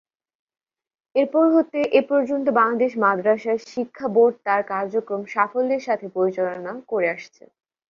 এরপর হতে এ পর্যন্ত বাংলাদেশ মাদ্রাসা শিক্ষা বোর্ড তার কার্যক্রম সাফল্যের সাথে পরিচালনা করে আসছে।